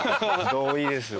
同意ですよ